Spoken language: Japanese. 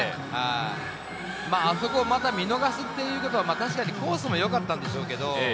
あそこをまた見逃すというのは、確かにコースもよかったんでしょうけど。